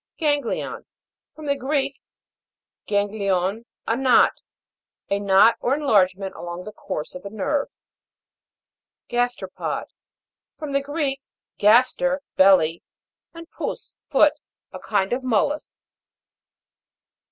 GAX'GLION. From the Greek, gag glion, a knot. A knot or enlarge ment along the course of a nerve. GAS'TEROPOD. From the Greek, gas ter, belly, and pous, foot. A kind of mollusk.